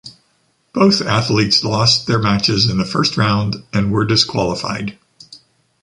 Both athletes lost their matches in the first round and were disqualified.